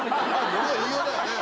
物は言いようだよね。